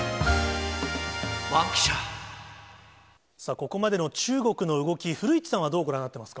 ここまでの中国の動き、古市さんはどうご覧になってますか？